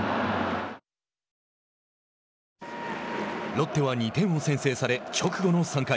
ロッテは２点を先制され直後の３回。